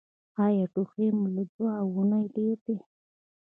ایا ټوخی مو له دوه اونیو ډیر دی؟